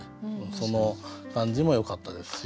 その感じもよかったですし。